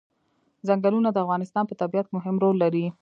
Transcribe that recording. ځنګلونه د افغانستان په طبیعت کې مهم رول لري.